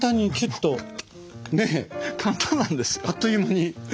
あっという間に。